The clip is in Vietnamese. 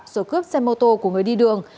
rồi cướp xe mô tô của người đi đường